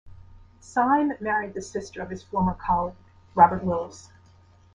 Syme married the sister of his former colleague, Robert Willis.